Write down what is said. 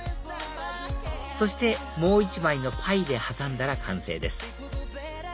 そしてもう１枚のパイで挟んだら完成です